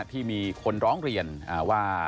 ที่มีคนร้องเรียนว่า